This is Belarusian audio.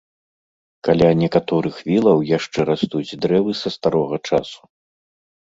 Каля некаторых вілаў яшчэ растуць дрэвы са старога часу.